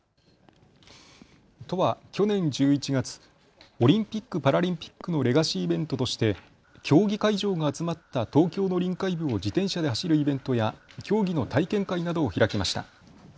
都は去年１１月、オリンピック・パラリンピックのレガシーイベントとして競技会場が集まった東京の臨海部を自転車で走るイベントや競技の体験会などを開きました。